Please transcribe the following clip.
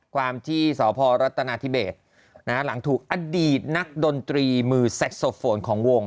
ความที่สพรัฐนาธิเบสหลังถูกอดีตนักดนตรีมือแซ็กโซโฟนของวง